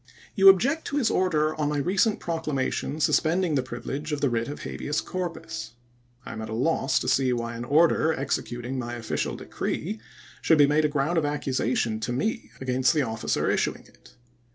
You object to his order on my recent procla mation suspending the privilege of the writ of habeas corpus. I am at a loss to see why an order executing my official decree should be made a ground of accusation to me against the officer issu ing it.